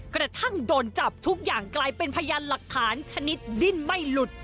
กระทั่งโดนจับทุกอย่างกลายเป็นพยานหลักฐานชนิดดิ้นไม่หลุด